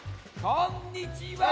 こんにちは！